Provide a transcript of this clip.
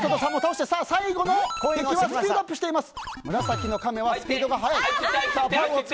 最後の敵はスピードアップしています。